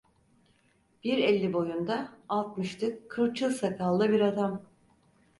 Bir elli boyunda, altmışlık, kırçıl sakallı bir adam.